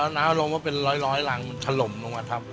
น้ำอารมณ์ก็เป็นร้อยรังมันถล่มลงมาทับ